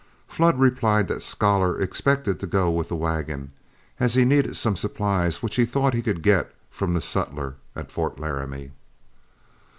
Flood replied that Scholar expected to go with the wagon, as he needed some supplies which he thought he could get from the sutler at Fort Laramie.